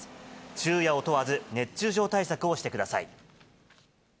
昼夜を問わず、熱中症対策をしてください。